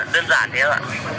dạ đơn giản thế ạ